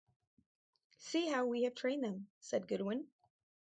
"See how we have trained them," said Goodwin.